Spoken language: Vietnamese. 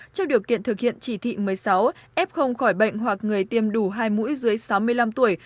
trong điều kiện thực hiện chỉ thị một mươi sáu f không khỏi bệnh hoặc người tiêm đủ hai mũi dưới sáu mươi năm tuổi